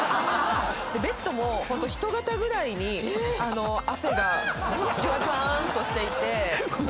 ベッドもホント人型ぐらいに汗がじゅわじゅわーんとしていて。